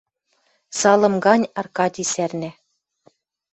Салым гань Аркадий сӓрнӓ